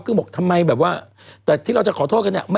กึ้งบอกทำไมแบบว่าแต่ที่เราจะขอโทษกัน